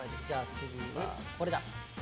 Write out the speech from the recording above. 次は、これ。